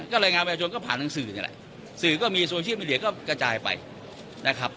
ก็แรงงานแบรนด์ชนก็ผ่านทางสื่อนี่แหละสื่อก็มีส่วนชื่อมิเดียก็กระจายไปนะครับนะ